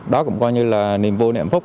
đó cũng coi như là niềm vui niệm phúc